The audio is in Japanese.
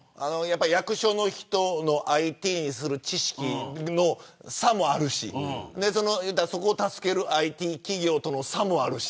役所の人のＩＴに対する知識の差もあるしそこを助けるＩＴ企業との差もあるし。